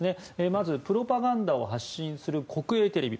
まずプロパガンダを発信する国営テレビ